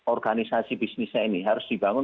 organisasi bisnisnya ini harus dibangun